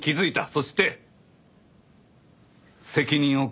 そして責任を感じていたんだ。